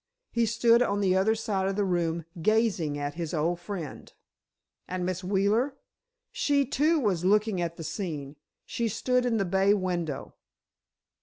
He stood on the other side of the room, gazing at his old friend." "And Miss Wheeler?" "She, too, was looking at the scene. She stood in the bay window."